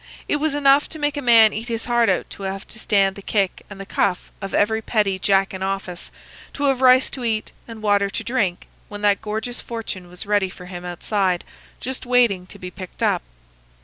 It was enough to make a man eat his heart out to have to stand the kick and the cuff of every petty jack in office, to have rice to eat and water to drink, when that gorgeous fortune was ready for him outside, just waiting to be picked up.